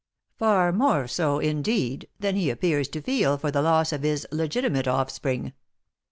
"Far more so, indeed, than he appears to feel for the loss of his legitimate offspring."